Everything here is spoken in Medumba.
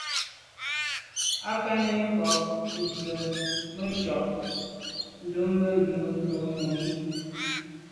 Â kɑ̂nə̄ ncóp zə mə̄ côb ndɛ̂mbə̄ mə̄ gə̀ rə̌ mùní.